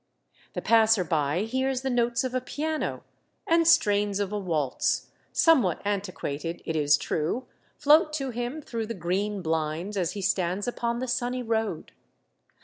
The passer by 1 34 Monday Tales. hears the notes of a piano, and strains of a waltz, somewhat antiquated it is true, float to him through the green blinds, as he stands upon the sunny road.